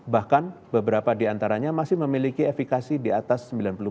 bahkan beberapa diantaranya masih memiliki efikasi di atas sembilan puluh